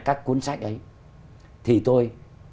các cuốn sách ấy thì tôi